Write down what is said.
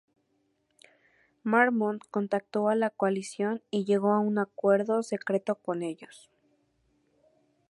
Marmont contactó a la Coalición y llegó a un acuerdo secreto con ellos.